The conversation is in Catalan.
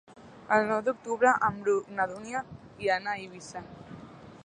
El nou d'octubre en Bru i na Dúnia iran a Eivissa.